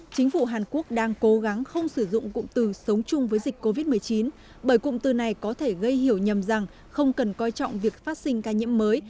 chính phủ hàn quốc đang cố gắng không sử dụng cụm từ sống chung với dịch covid một mươi chín bởi cụm từ này có thể gây hiểu nhầm rằng không cần coi trọng việc phát sinh ca nhiễm mới